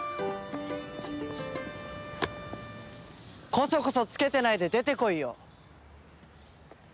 コソコソつけてないで出てこいよ。